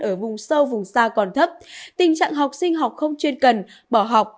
ở vùng sâu vùng xa còn thấp tình trạng học sinh học không chuyên cần bỏ học